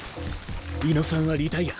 猪野さんはリタイア。